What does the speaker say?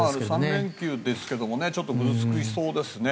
３連休ですけどもちょっとぐずつきそうですね。